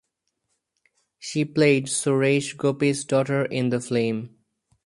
She played Suresh Gopi's daughter in the film.